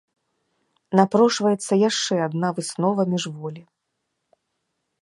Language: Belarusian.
Напрошваецца яшчэ адна выснова міжволі.